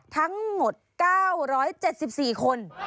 ทั้งหมด๙๗๔คน